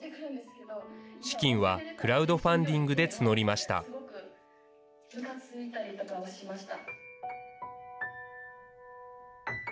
資金はクラウドファンディングで募りました。